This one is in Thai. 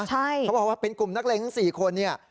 เขาบอกว่าเป็นกลุ่มนักเลงทั้ง๔คนเนี่ย